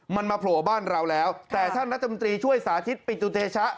มันมาโผล่บ้านเราแล้วแต่ท่านรัฐมนตรีช่วยสาธิตปิตุเตชะ